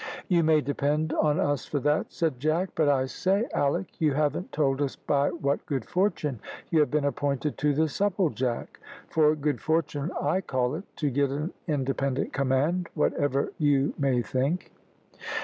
"You may depend on us for that," said Jack. "But I say, Alick, you haven't told us by what good fortune you have been appointed to the Supplejack; for good fortune, I call it, to get an independent command, whatever you may think."